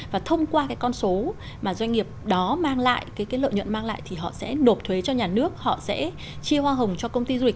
và thông qua cái con số mà doanh nghiệp đó mang lại cái lợi nhuận mang lại thì họ sẽ nộp thuế cho nhà nước họ sẽ chia hoa hồng cho công ty du lịch